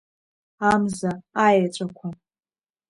Амза, аеҵәақәа…